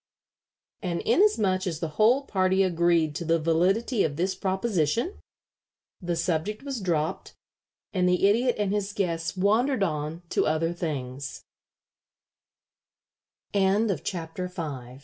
And inasmuch as the whole party agreed to the validity of this proposition, the subject was dropped, and the Idiot and his guests wandered on to other thin